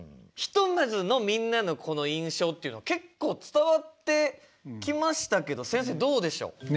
ひとまずのみんなのこの印象っていうの結構伝わってきましたけど先生どうでしょう？